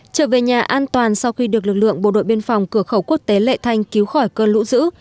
trở về nhà an toàn sau khi được lực lượng bộ đội biên phòng cửa khẩu quốc tế lệ thanh cứu khỏi cơn lũ dữ